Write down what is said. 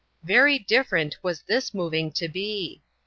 Very different was this moving to be.